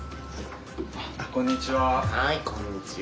こんにちは。